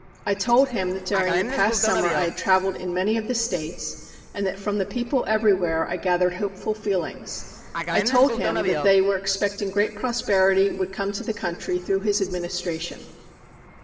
I told him that during the past summer I had travelled in many of the states, and that from the people everywhere I gathered hopeful feelings. I told him that they were expecting great prosperity would come to the country through his administration."